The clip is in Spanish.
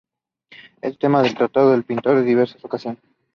Este tema fue tratado por el pintor en diversas ocasiones.